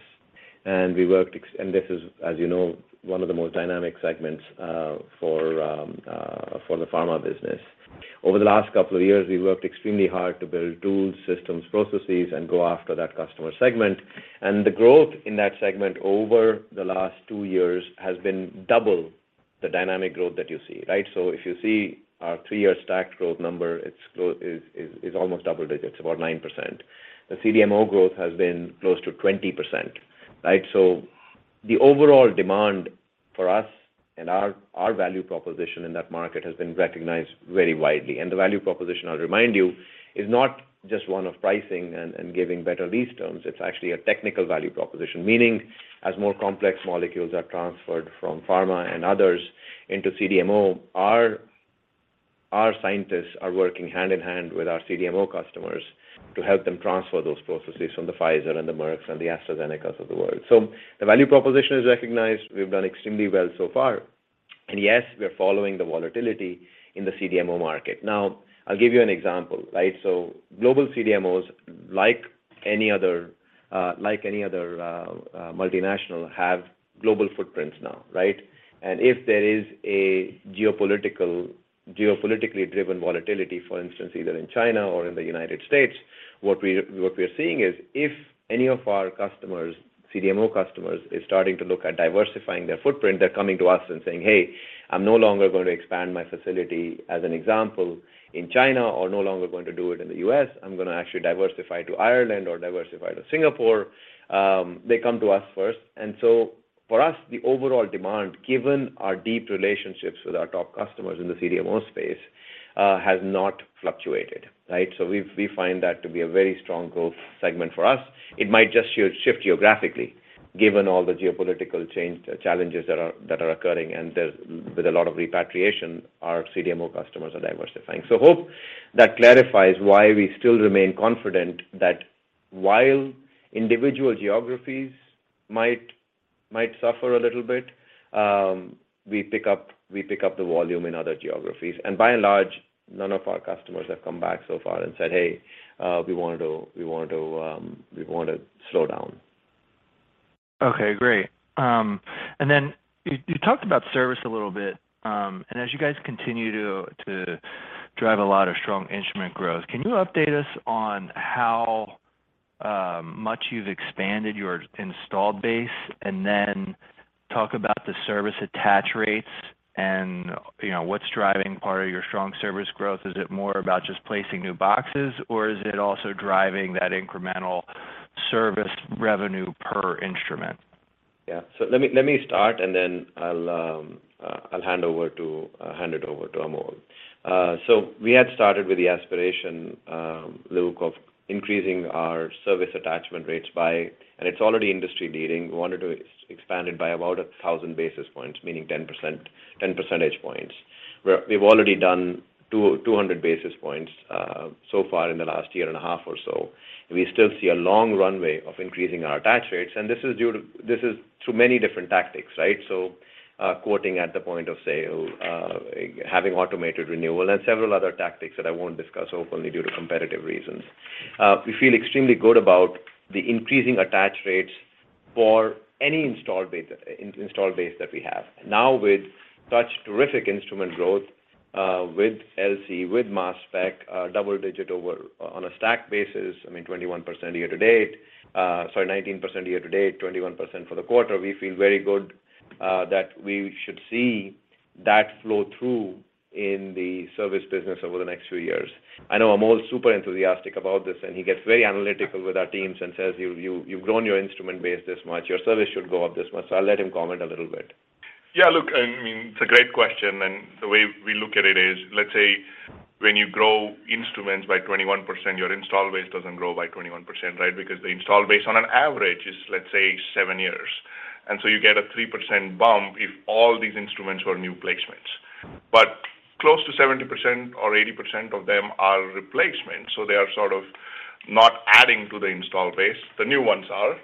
This is, as you know, one of the most dynamic segments for the pharma business. Over the last couple of years, we worked extremely hard to build tools, systems, processes, and go after that customer segment. The growth in that segment over the last two years has been double the dynamic growth that you see, right? If you see our three-year stack growth number, it is almost double digits. It's about 9%. The CDMO growth has been close to 20%, right? The overall demand for us and our value proposition in that market has been recognized very widely. The value proposition, I'll remind you, is not just one of pricing and giving better lease terms. It's actually a technical value proposition. Meaning, as more complex molecules are transferred from pharma and others into CDMO, our scientists are working hand in hand with our CDMO customers to help them transfer those processes from the Pfizer and the Mercks and the AstraZenecas of the world. The value proposition is recognized. We've done extremely well so far. Yes, we are following the volatility in the CDMO market. Now, I'll give you an example, right? Global CDMOs, like any other multinational, have global footprints now, right? If there is a geopolitical, geopolitically driven volatility, for instance, either in China or in the United States, what we're seeing is if any of our customers, CDMO customers, is starting to look at diversifying their footprint, they're coming to us and saying, "Hey, I'm no longer going to expand my facility," as an example, in China or no longer going to do it in the U.S. "I'm gonna actually diversify to Ireland or diversify to Singapore." They come to us first. For us, the overall demand, given our deep relationships with our top customers in the CDMO space, has not fluctuated, right? We find that to be a very strong growth segment for us. It might just shift geographically given all the geopolitical challenges that are occurring. With a lot of repatriation, our CDMO customers are diversifying. Hope that clarifies why we still remain confident that while individual geographies might suffer a little bit, we pick up the volume in other geographies. By and large, none of our customers have come back so far and said, "Hey, we want to slow down. Okay, great. You talked about service a little bit, and as you guys continue to drive a lot of strong instrument growth, can you update us on how much you've expanded your installed base and then talk about the service attach rates and, you know, what's driving part of your strong service growth? Is it more about just placing new boxes, or is it also driving that incremental service revenue per instrument? Yeah. Let me start, and then I'll hand it over to Amol. We had started with the aspiration, Luke, of increasing our service attachment rates by 1000 basis points. It's already industry leading. We wanted to expand it by about 1000 basis points, meaning 10%, 10 percentage points. We've already done 200 basis points so far in the last year and a half or so. We still see a long runway of increasing our attach rates, and this is through many different tactics, right? Quoting at the point of sale, having automated renewal and several other tactics that I won't discuss openly due to competitive reasons. We feel extremely good about the increasing attach rates for any installed base that we have. Now, with such terrific instrument growth, with LC, with mass spec, double-digit over on a stack basis, I mean, 21% year to date, sorry, 19% year to date, 21% for the quarter, we feel very good that we should see that flow through in the service business over the next few years. I know Amol's super enthusiastic about this, and he gets very analytical with our teams and says, "You've grown your instrument base this much. Your service should go up this much." I'll let him comment a little bit. Yeah, look, I mean, it's a great question, and the way we look at it is, let's say when you grow instruments by 21%, your install base doesn't grow by 21%, right? Because the install base on an average is, let's say, seven years. You get a 3% bump if all these instruments were new placements. Close to 70% or 80% of them are replacements, so they are sort of not adding to the install base. The new ones are.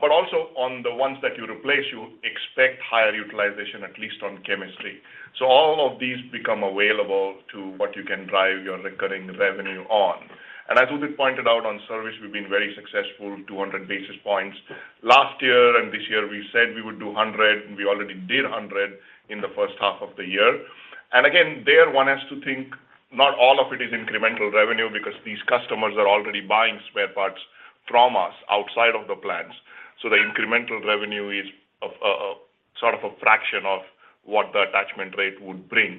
Also on the ones that you replace, you expect higher utilization, at least on chemistry. All of these become available to what you can drive your recurring revenue on. As Udit pointed out on service, we've been very successful, 200 basis points. Last year and this year we said we would do 100, and we already did 100 in the first half of the year. Again, there one has to think not all of it is incremental revenue because these customers are already buying spare parts from us outside of the plans. The incremental revenue is sort of a fraction of what the attachment rate would bring.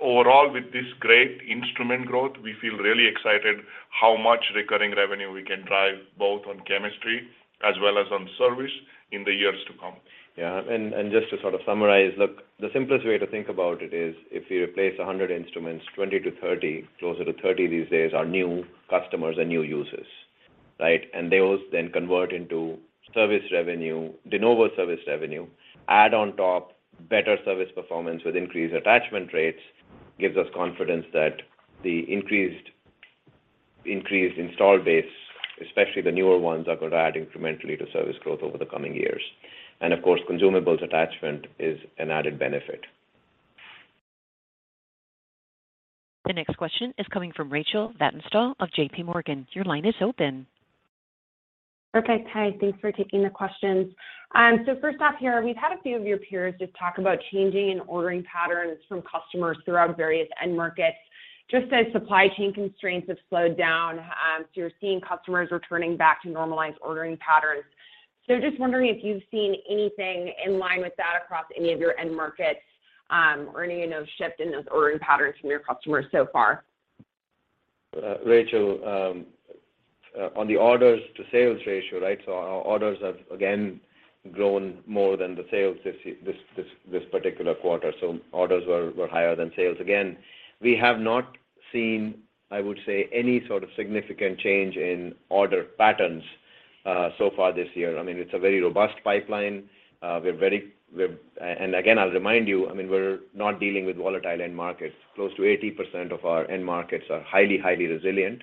Overall, with this great instrument growth, we feel really excited how much recurring revenue we can drive both on chemistry as well as on service in the years to come. Yeah. Just to sort of summarize, look, the simplest way to think about it is if you replace 100 instruments, 20-30, closer to 30 these days, are new customers and new users, right? Those then convert into service revenue, de novo service revenue. Add on top better service performance with increased attachment rates gives us confidence that the increased install base, especially the newer ones, are going to add incrementally to service growth over the coming years. Of course, consumables attachment is an added benefit. The next question is coming from Rachel Vatnsdal of J.P. Morgan. Your line is open. Okay. Hi, thanks for taking the questions. First off here, we've had a few of your peers just talk about changing and ordering patterns from customers throughout various end markets, just as supply chain constraints have slowed down, so you're seeing customers returning back to normalized ordering patterns. Just wondering if you've seen anything in line with that across any of your end markets, or any, you know, shift in those ordering patterns from your customers so far. Rachel, on the orders to sales ratio, right? Our orders have again grown more than the sales this particular quarter. Orders were higher than sales again. We have not seen, I would say, any sort of significant change in order patterns so far this year. I mean, it's a very robust pipeline. Again, I'll remind you, I mean, we're not dealing with volatile end markets. Close to 80% of our end markets are highly resilient.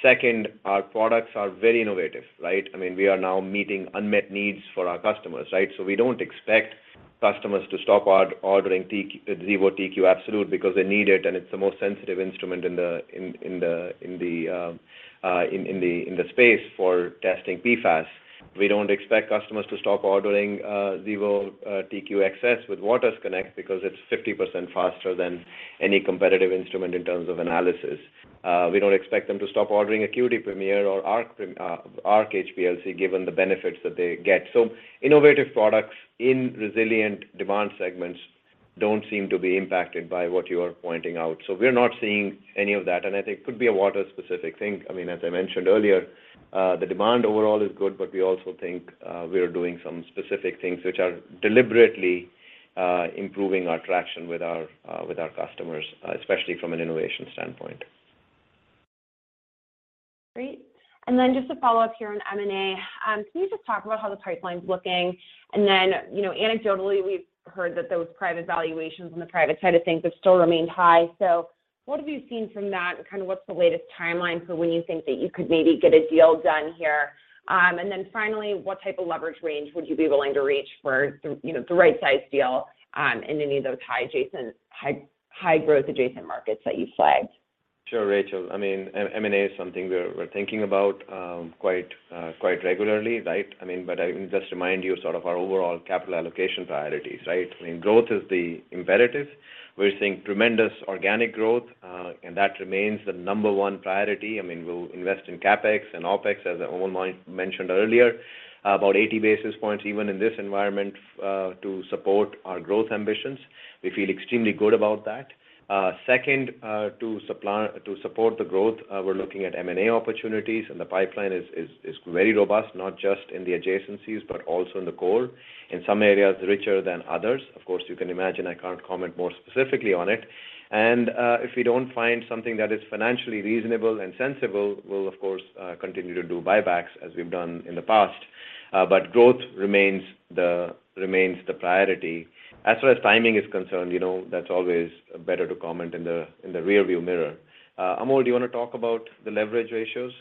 Second, our products are very innovative, right? I mean, we are now meeting unmet needs for our customers, right? We don't expect customers to stop ordering Xevo TQ Absolute because they need it, and it's the most sensitive instrument in the space for testing PFAS. We don't expect customers to stop ordering Xevo TQ-XS with Waters Connect because it's 50% faster than any competitive instrument in terms of analysis. We don't expect them to stop ordering ACQUITY Premier or Arc HPLC given the benefits that they get. Innovative products in resilient demand segments don't seem to be impacted by what you are pointing out. We're not seeing any of that, and I think it could be a Waters-specific thing. I mean, as I mentioned earlier, the demand overall is good, but we also think we are doing some specific things which are deliberately improving our traction with our customers, especially from an innovation standpoint. Great. Just a follow-up here on M&A. Can you just talk about how the pipeline's looking? You know, anecdotally, we've heard that those private valuations on the private side of things have still remained high. What have you seen from that, and kind of what's the latest timeline for when you think that you could maybe get a deal done here? Finally, what type of leverage range would you be willing to reach for, you know, the right size deal, in any of those high growth adjacent markets that you flagged? Sure, Rachel. I mean, M&A is something we're thinking about quite regularly, right? I mean, I can just remind you sort of our overall capital allocation priorities, right? I mean, growth is the imperative. We're seeing tremendous organic growth, and that remains the number one priority. I mean, we'll invest in CapEx and OpEx, as Amol mentioned earlier, about 80 basis points even in this environment, to support our growth ambitions. We feel extremely good about that. Second, to support the growth, we're looking at M&A opportunities and the pipeline is very robust, not just in the adjacencies, but also in the core. In some areas richer than others. Of course, you can imagine I can't comment more specifically on it. If we don't find something that is financially reasonable and sensible, we'll of course continue to do buybacks as we've done in the past. Growth remains the priority. As far as timing is concerned, you know, that's always better to comment in the rearview mirror. Amol, do you wanna talk about the leverage ratios?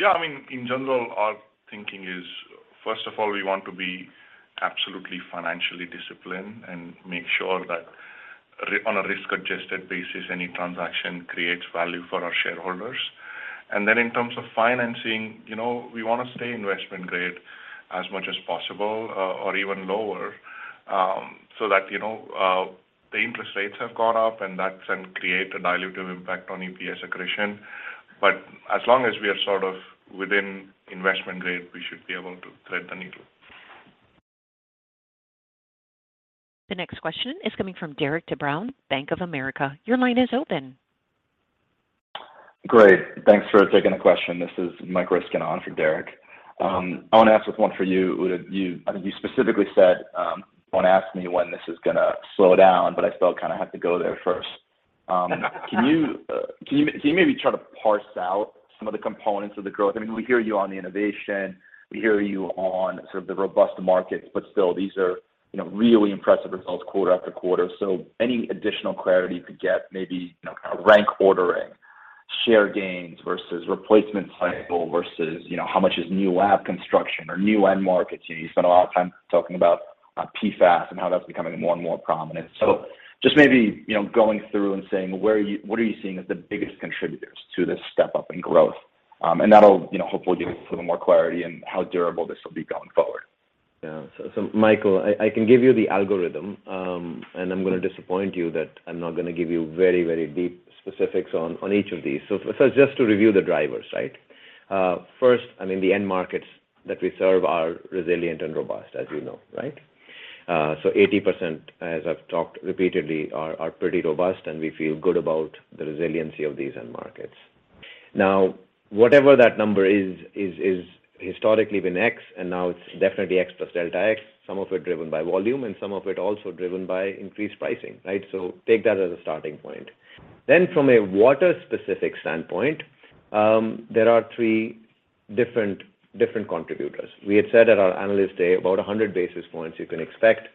Yeah. I mean, in general, our thinking is, first of all, we want to be absolutely financially disciplined and make sure that on a risk-adjusted basis, any transaction creates value for our shareholders. In terms of financing, you know, we wanna stay investment grade as much as possible, or even lower, so that, you know, the interest rates have gone up and that can create a dilutive impact on EPS accretion. As long as we are sort of within investment grade, we should be able to thread the needle. The next question is coming from Derik de Bruin, Bank of America. Your line is open. Great. Thanks for taking the question. This is Michael Ryskin on for Derik. I want to ask this one for you, Udit. You, I think you specifically said, "Don't ask me when this is gonna slow down," but I still kinda have to go there first. Can you maybe try to parse out some of the components of the growth? I mean, we hear you on the innovation, we hear you on sort of the robust markets, but still these are, you know, really impressive results quarter after quarter. Any additional clarity we could get, maybe, you know, kind of rank ordering share gains versus replacement cycle versus, you know, how much is new lab construction or new end markets. You know, you spent a lot of time talking about PFAS and how that's becoming more and more prominent. just maybe, you know, going through and saying, what are you seeing as the biggest contributors to this step up in growth? That'll, you know, hopefully give us a little more clarity in how durable this will be going forward. Yeah. Michael, I can give you the algorithm, and I'm gonna disappoint you that I'm not gonna give you very, very deep specifics on each of these. Just to review the drivers, right? First, I mean the end markets that we serve are resilient and robust, as you know, right? So 80%, as I've talked repeatedly, are pretty robust and we feel good about the resiliency of these end markets. Now, whatever that number is historically been X and now it's definitely X plus delta X. Some of it driven by volume and some of it also driven by increased pricing, right? Take that as a starting point. From a Waters-specific standpoint, there are three different contributors. We had said at our Analyst Day, about 100 basis points you can expect,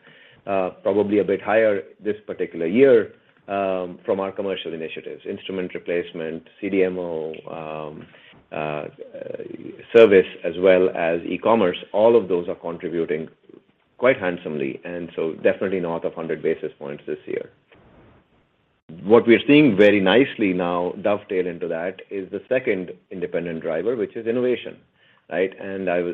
probably a bit higher this particular year, from our commercial initiatives. Instrument replacement, CDMO, service as well as e-commerce, all of those are contributing quite handsomely, and so definitely north of 100 basis points this year. What we are seeing very nicely now dovetail into that is the second independent driver, which is innovation, right?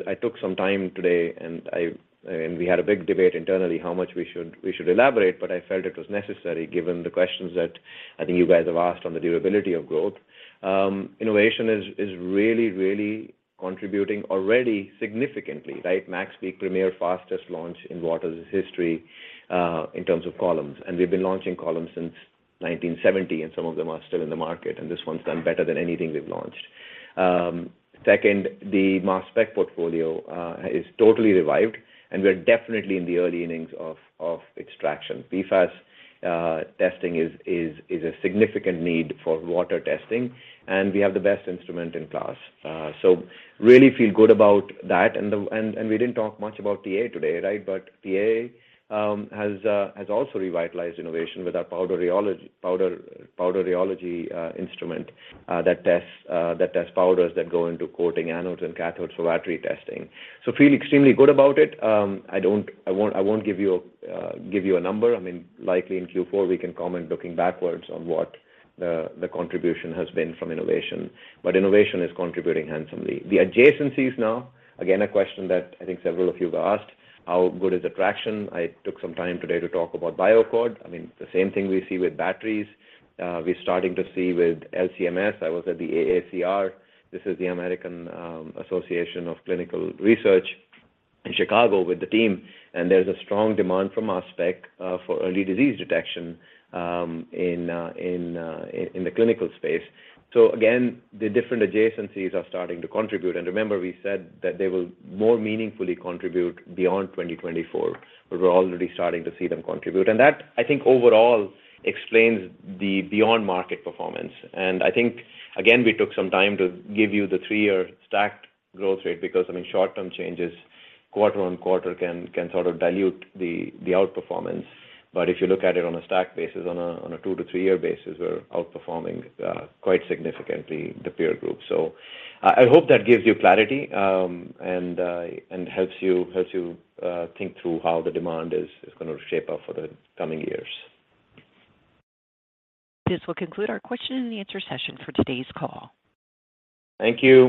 I took some time today and we had a big debate internally how much we should elaborate, but I felt it was necessary given the questions that I think you guys have asked on the durability of growth. Innovation is really contributing already significantly, right? MaxPeak Premier fastest launch in Waters' history, in terms of columns. We've been launching columns since 1970, and some of them are still in the market, and this one's done better than anything we've launched. Second, the mass spec portfolio is totally revived, and we're definitely in the early innings of extraction. PFAS testing is a significant need for water testing, and we have the best instrument in class. Really feel good about that. We didn't talk much about TA today, right? TA has also revitalized innovation with our powder rheology instrument that tests powders that go into coating anodes and cathodes for battery testing. Feel extremely good about it. I won't give you a number. I mean, likely in Q4, we can comment looking backwards on what the contribution has been from innovation. Innovation is contributing handsomely. The adjacencies now, again, a question that I think several of you have asked, how good is the traction? I took some time today to talk about BioAccord. I mean, the same thing we see with batteries, we're starting to see with LC-MS. I was at the AACR, this is the American Association for Cancer Research in Chicago with the team, and there's a strong demand from our spec for early disease detection in the clinical space. Again, the different adjacencies are starting to contribute. Remember we said that they will more meaningfully contribute beyond 2024. We're already starting to see them contribute. That, I think overall explains the beyond market performance. I think again, we took some time to give you the three-year stacked growth rate because, I mean, short-term changes quarter on quarter can sort of dilute the outperformance. If you look at it on a stacked basis, on a 2-3-year basis, we're outperforming quite significantly the peer group. I hope that gives you clarity, and helps you think through how the demand is gonna shape up for the coming years. This will conclude our question and answer session for today's call. Thank you.